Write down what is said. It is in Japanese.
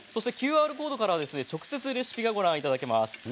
ＱＲコードからは直接レシピがご覧いただけます。